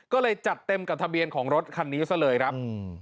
ก็เลยจัดเต็มกับทะเบียนของรถคันนี้ซะเลยครับ